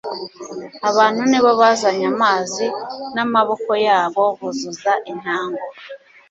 Abantu nibo bazanye amazi n'amaboko yabo, buzuza intango;